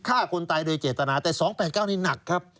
ฆ่าคนตายโดยเจตนาแต่๒๘๙นี่หนักครับ